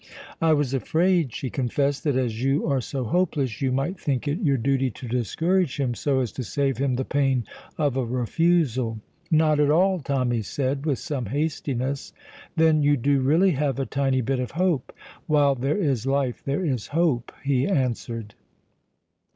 "I was afraid," she confessed, "that as you are so hopeless, you might think it your duty to discourage him so as to save him the pain of a refusal." "Not at all," Tommy said, with some hastiness. "Then you do really have a tiny bit of hope?" "While there is life there is hope," he answered.